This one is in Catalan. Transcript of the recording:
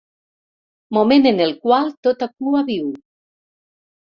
Moment en el qual tota cua viu.